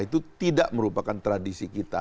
itu tidak merupakan tradisi kita